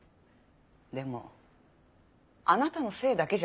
でもあなたのせいだけじゃないわ。